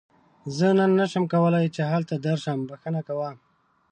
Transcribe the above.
زه نن نشم کولی چې هلته درشم، بښنه کوه.